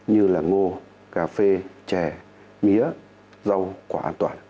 như là ngô cà phê chè mía rau quả an toàn